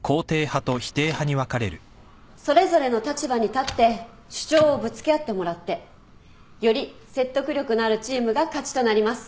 それぞれの立場に立って主張をぶつけ合ってもらってより説得力のあるチームが勝ちとなります。